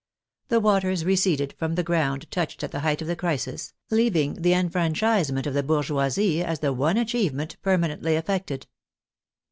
The waters receded from the ground touched at the height of the crisis, leaving the enfran chisement of the bourgeoisie as the one achievement per manently effected.